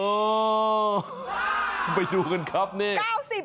โอ้โหไปดูกันครับนี่